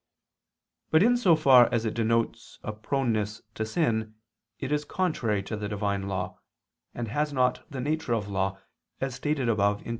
But in so far as it denotes a proneness to sin, it is contrary to the Divine law, and has not the nature of law, as stated above (Q.